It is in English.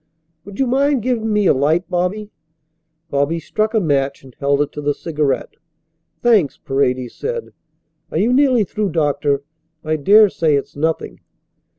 "Would you mind giving me a light, Bobby?" Bobby struck a match and held it to the cigarette. "Thanks," Paredes said. "Are you nearly through, doctor? I daresay it's nothing."